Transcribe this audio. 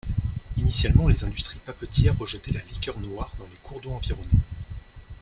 Initialement les industries papetières rejetaient la liqueur noire dans les cours d'eau environnants.